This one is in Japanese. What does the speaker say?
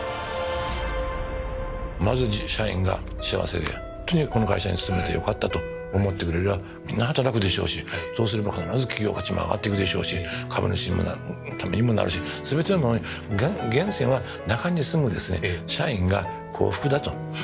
まず社員が幸せで本当にこの会社に勤めてよかったと思ってくれればみんな働くでしょうしそうすれば必ず企業価値も上がってくでしょうし株主のためにもなるしが目的なんです。